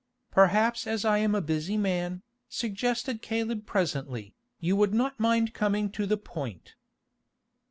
"Perhaps as I am a busy man," suggested Caleb presently, "you would not mind coming to the point."